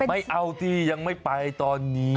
ไม่เอาที่ยังไม่ไปตอนนี้